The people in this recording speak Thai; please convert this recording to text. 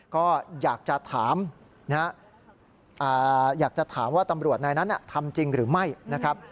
ก็อยากจะถามว่าตำรวจในนั้นทำจริงหรือไม่นะครับ